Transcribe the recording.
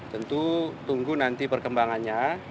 tentu tunggu nanti perkembangannya